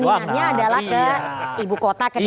keinginannya adalah ke ibu kota ke dki